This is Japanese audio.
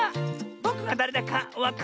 ぼくはだれだかわかるセミ？